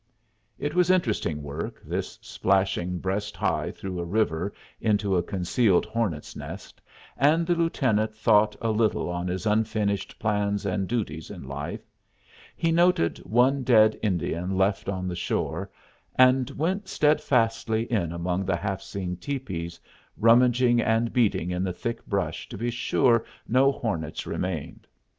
It was interesting work, this splashing breast high through a river into a concealed hornets' nest, and the lieutenant thought a little on his unfinished plans and duties in life; he noted one dead Indian left on the shore, and went steadfastly in among the half seen tepees, rummaging and beating in the thick brush to be sure no hornets remained.